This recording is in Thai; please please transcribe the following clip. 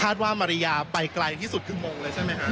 ว่ามาริยาไปไกลที่สุดคือมงเลยใช่ไหมฮะ